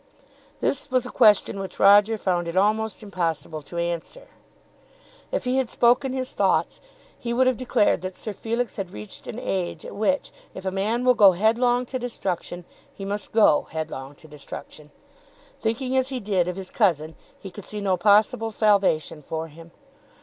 This was a question which Roger found it almost impossible to answer. If he had spoken his thoughts he would have declared that Sir Felix had reached an age at which, if a man will go headlong to destruction, he must go headlong to destruction. Thinking as he did of his cousin he could see no possible salvation for him.